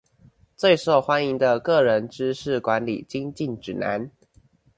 最受歡迎的個人知識管理精進指南